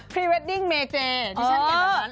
พรีเวดดิ้งเมเจดิฉันเป็นแบบนั้น